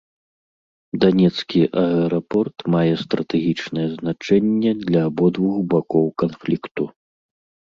Данецкі аэрапорт мае стратэгічнае значэнне для абодвух бакоў канфлікту.